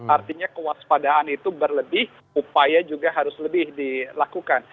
artinya kewaspadaan itu berlebih upaya juga harus lebih dilakukan